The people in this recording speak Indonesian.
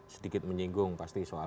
sedikit menyinggung pasti soal